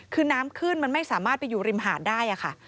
คือน้ำขึ้นมันไม่สามารถไปอยู่ริมหาดได้ค่ะ